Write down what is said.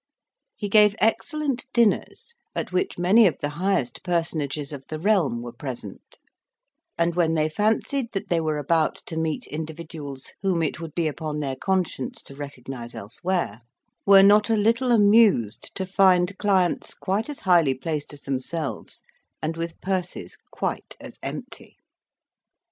He gave excellent dinners, at which many of the highest personages of the realm were present; and when they fancied that they were about to meet individuals whom it would be upon their conscience to recognize elsewhere, were not a little amused to find clients quite as highly placed as themselves, and with purses quite as empty.